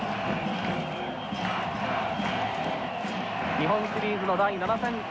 日本シリーズの第７戦。